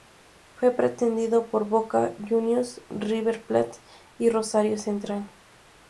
Fue pretendido por Boca Juniors, River Plate y Rosario Central.